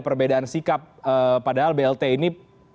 perbedaan sikap padahal blt ini